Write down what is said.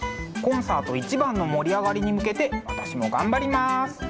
コンサート一番の盛り上がりに向けて私も頑張ります。